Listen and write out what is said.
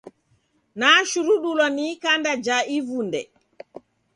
Nashurudulwa ni ikanda ja ivunde.